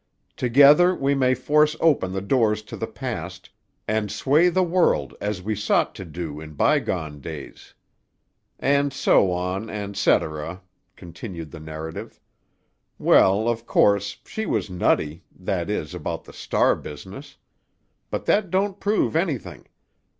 Together we may force open the doors to the past, and sway the world as we sought to do in bygone days.' "And so on and cetera," continued the narrative. "Well, of course, she was nutty, that is, about the star business. But that don't prove anything.